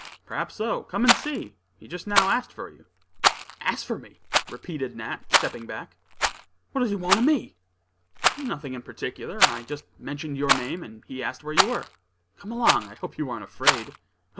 "Perhaps so; come and see. He just now asked for you." "Asked for me?" repeated Nat, stepping back. "What does he want of me?" "Nothing in particular. I just mentioned your name, and he asked where you were. Come along; I hope you ain't afraid?"